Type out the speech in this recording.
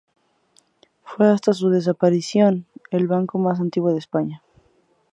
Fue, hasta su desaparición, el banco más antiguo de España.